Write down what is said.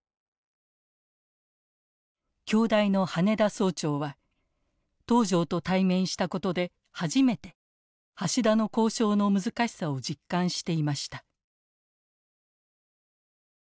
京大の羽田総長は東條と対面したことで初めて橋田の交渉の難しさを実感していました。